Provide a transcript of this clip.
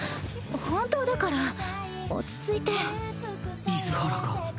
本当だから落ち着いて。